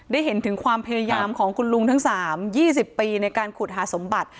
ได้เห็นถึงความพยายามของคุณลุงทั้ง๓๒๐ปีในการขุดหาสมบัติ